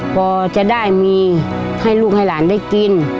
พอจะได้มีให้ลูกให้หลานได้กิน